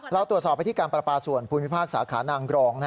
เราตรวจสอบไปที่การประปาส่วนภูมิภาคสาขานางกรอง